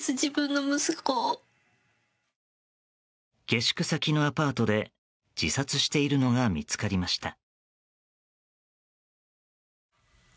下宿先のアパートで自殺しているのが見つかりました。